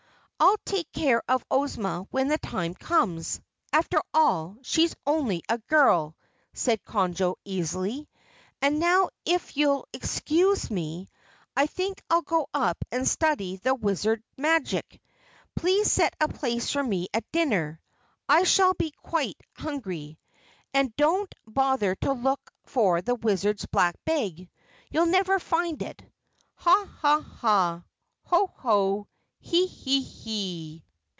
"I'll take care of Ozma when the time comes. After all, she's only a girl," said Conjo easily. "And now if you'll excuse me, I think I'll go up and study the Wizard's magic. Please set a place for me at dinner, I shall be quite hungry. And don't bother to look for the Wizard's Black Bag. You'll never find it. Ha, ha, ha, ho, ho, he, he, he!"